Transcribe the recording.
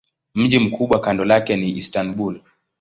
Mji mkubwa kando lake ni Istanbul.